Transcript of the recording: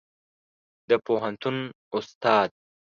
د پوهنتون استاد